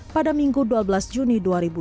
pada minggu dua belas juni dua ribu dua puluh